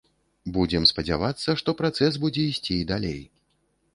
Будзем спадзявацца, што працэс будзе ісці і далей.